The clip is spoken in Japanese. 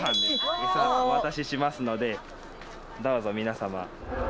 エサお渡ししますのでどうぞ皆様。